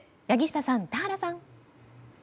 柳下さん、田原さん。